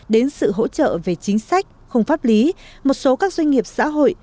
đến sự hỗ trợ về chính sách khung pháp lý một số các doanh nghiệp xã hội